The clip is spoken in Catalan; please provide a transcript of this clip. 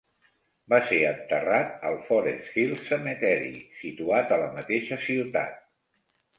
Va ser enterrat al Forest Hill Cemetery situat a la mateixa ciutat.